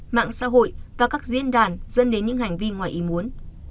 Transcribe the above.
mạng xã hội và các diễn đàn dẫn đến những hành vi ngoài ý muốn